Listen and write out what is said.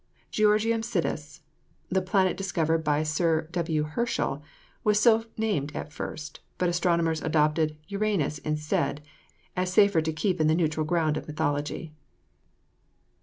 GEORGIUM SIDUS. The planet discovered by Sir W. Herschel was so named at first; but astronomers adopted Uranus instead, as safer to keep in the neutral ground of mythology.